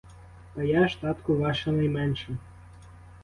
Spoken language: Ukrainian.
Та я ж, татку, ваша найменша.